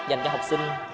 dành cho học sinh